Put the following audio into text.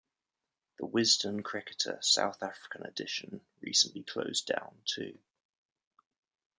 "The Wisden Cricketer: South African edition" recently closed down, too.